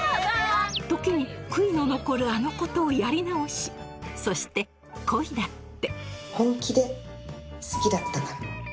時に悔いの残るあのことをやり直しそして恋だって本気で好きだったから。